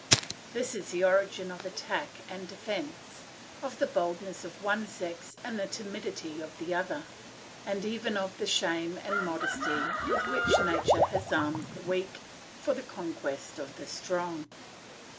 This is the origin of attack and defence, of the boldness of one sex and the timidity of the other, and even of the shame and modesty with which nature has armed the weak for the conquest of the strong.